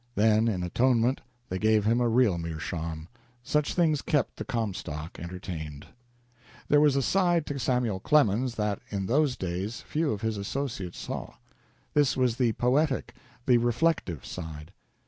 Then, in atonement, they gave him a real meerschaum. Such things kept the Comstock entertained. There was a side to Samuel Clemens that, in those days, few of his associates saw. This was the poetic, the reflective side.